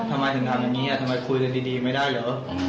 ทำไมถึงตอนนี้ทำไมคุยได้ใดไม่ได้เหรอ